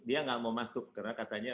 dia nggak mau masuk karena katanya